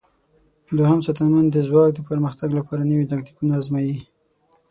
دوهم ساتنمن د ځواک د پرمختګ لپاره نوي تاکتیکونه آزمايي.